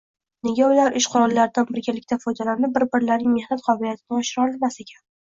Nega ular ish qurollaridan birgalikda foydalanib, bir-birlarining mehnat qobiliyatini oshira olishmas ekan?